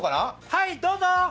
はい、どうぞ！